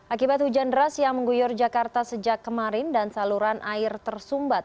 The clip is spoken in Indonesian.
akibat hujan deras yang mengguyur jakarta sejak kemarin dan saluran air tersumbat